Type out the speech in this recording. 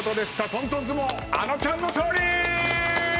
トントン相撲あのちゃんの勝利！